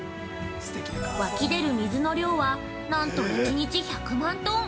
◆湧き出る水の量はなんと１日１００万トン！